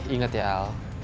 ingat ya al